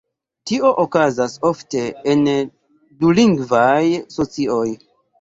Tio okazas ofte en dulingvaj socioj.